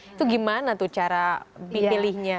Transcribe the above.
itu gimana tuh cara pilihnya